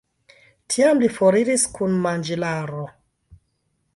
Tiam li foriris kun manĝilaro.